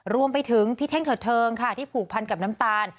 รวมไปถึงพี่เท่งเถิดเทิงค่ะที่ผูกพันกับน้ำตาล